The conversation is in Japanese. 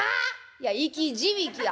「いや生き字引や」。